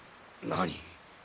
何！？